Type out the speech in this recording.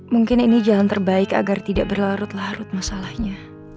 mungkin ini jalan terbaik agar tidak berlarut larut masalahnya